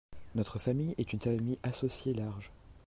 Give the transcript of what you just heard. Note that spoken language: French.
Notre famille est une famille associée large.